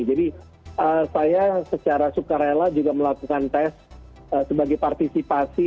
jadi saya secara sukarela juga melakukan tes sebagai partisipasi